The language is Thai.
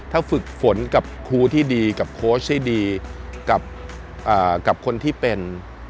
ถ้าฝึกฝนกับครูที่ดีกับโค้ชให้ดีกับคนที่เป็น